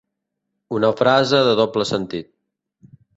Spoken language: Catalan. Una frase de doble sentit.